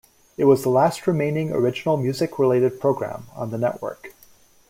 It was the last remaining original music-related program on the network.